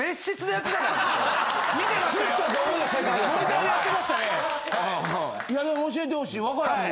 でも教えてほしい。